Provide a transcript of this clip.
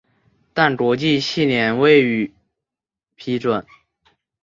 但国际汽联未予批准。